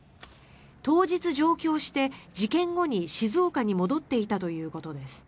当日上京して事件後に静岡に戻っていたということです。